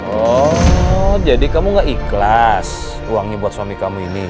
oh jadi kamu gak ikhlas uangnya buat suami kamu ini